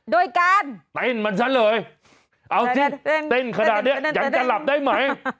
โดยการเต้นเหมือนฉันเลยเอาสิเต้นขนาดนี้ยังจะหลับได้ไหม